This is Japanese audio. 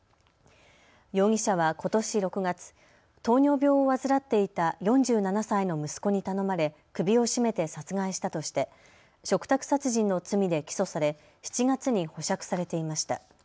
容疑者はことし６月、糖尿病を患っていた４７歳の息子に頼まれ首を絞めて殺害したとして嘱託殺人の罪で起訴され７月に保釈されていました。